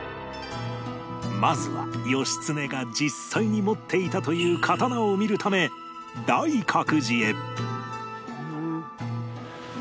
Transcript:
まずは義経が実際に持っていたという刀を見るため大覚寺へ